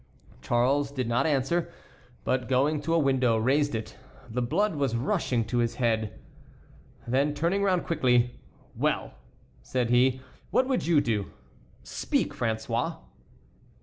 Charles did not answer, but going to a window raised it. The blood was rushing to his head. Then turning round quickly: "Well!" said he, "what would you do? Speak, François."